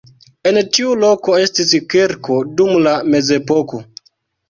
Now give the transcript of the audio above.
En tiu loko estis kirko dum la mezepoko.